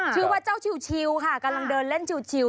ชื่อว่าเจ้าชิวค่ะกำลังเดินเล่นชิว